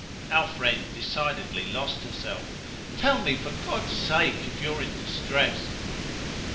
Our friend decidedly lost herself. "Tell me, for God's sake, if you're in distress."